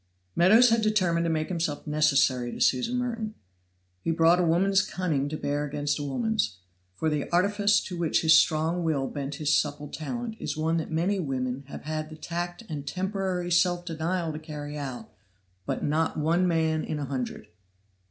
Meadows had determined to make himself necessary to Susan Merton. He brought a woman's cunning to bear against a woman's; for the artifice to which his strong will bent his supple talent is one that many women have had the tact and temporary self denial to carry out, but not one man in a hundred.